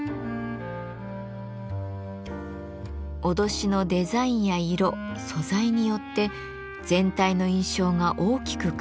威しのデザインや色素材によって全体の印象が大きく変わる鎧。